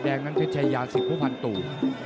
แดงน้ำเต็ดชัยา๑๐พูฟันตู่